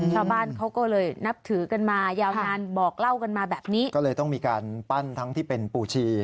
ชาวบ้านเขาก็เลยนับถือกันมายาวนานบอกเล่ากันมาแบบนี้ก็เลยต้องมีการปั้นทั้งที่เป็นปู่ชี